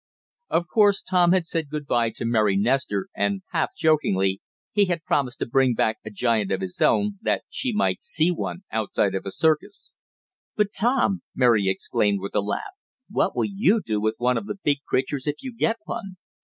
Of course Tom had said good bye to Mary Nestor and half jokingly, he had promised to bring back a giant of his own, that she might see one outside of a circus. "But, Tom," Mary exclaimed with a laugh, "what will you do with one of the big creatures if you get one?"